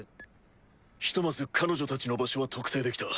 ピッひとまず彼女たちの場所は特定できた。